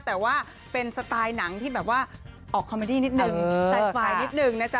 แต่ว่าเป็นสไตล์หนังที่แบบว่าออกคอมเมดี้นิดนึงใส่ไฟล์นิดนึงนะจ๊